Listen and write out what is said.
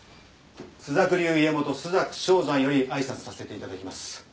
朱雀流家元朱雀正山より挨拶させていただきます。